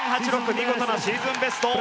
見事なシーズンベスト。